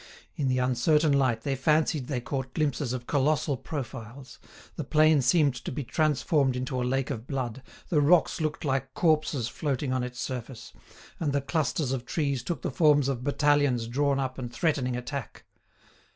In the uncertain light they fancied they caught glimpses of colossal profiles, the plain seemed to be transformed into a lake of blood, the rocks looked like corpses floating on its surface, and the clusters of trees took the forms of battalions drawn up and threatening attack.